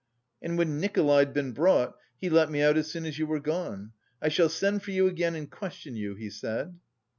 And when Nikolay'd been brought he let me out as soon as you were gone. 'I shall send for you again and question you,' he said."